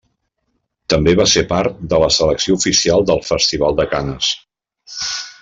També va fer part de la selecció oficial del Festival de Canes.